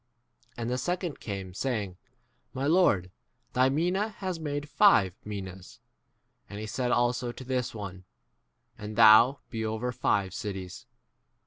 And the second came, saying, [My] Lord, thy mina has made five minas. 19 And he said also to this one, And 20 thou, be over five cities.